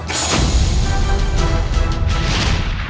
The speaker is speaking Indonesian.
kau akan mati